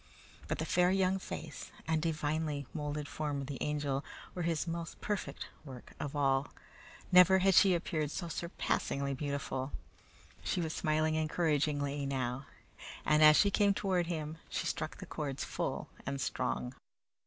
But the fair young face and divinely molded form of the Angel were His most perfect work of all. Never had she appeared so surpassingly beautiful. She was smiling encouragingly now, and as she came toward him, she struck the chords full and strong.